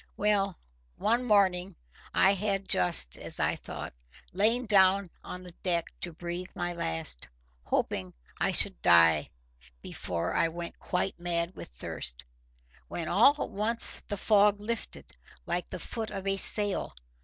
Well, one morning, I had just, as I thought, lain down on the deck to breathe my last, hoping I should die before I went quite mad with thirst, when all at once the fog lifted, like the foot of a sail.